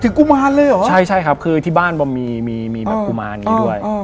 ถึงกุมานเลยเหรอใช่ครับคือที่บ้านบอมมีแบบกุมานอย่างนี้ด้วย